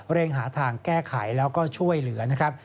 หาทางแก้ไขแล้วก็ช่วยเหลือนะครับ